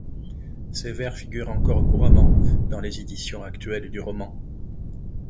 Ces vers figurent encore couramment dans les éditions actuelles du roman.